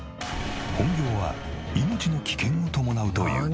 本業は命の危険を伴うという。